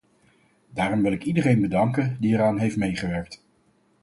Daarom wil ik iedereen bedanken die hieraan heeft meegewerkt.